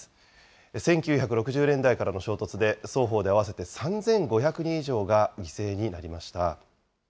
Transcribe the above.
１９６０年代からの衝突で、双方で合わせて３５００人以上が犠牲になりました。